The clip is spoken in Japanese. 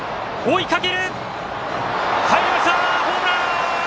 入りました、ホームラン！